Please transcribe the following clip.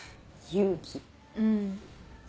うん。